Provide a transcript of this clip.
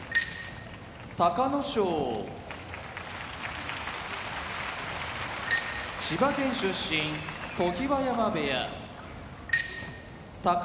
隆の勝千葉県出身常盤山部屋宝